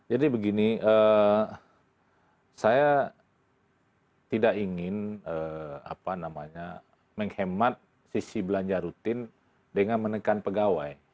jadi begini saya tidak ingin menghemat sisi belanja rutin dengan menekan pegawai